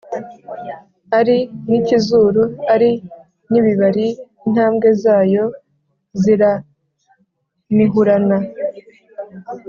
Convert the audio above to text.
Ari n'ikizuru ari n'ibibari: Intambwe zayo ziranihurana,